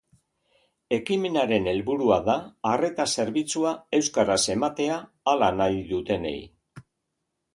Ekimenaren helburua da arreta zerbitzua euskaraz ematea hala nahi dutenei.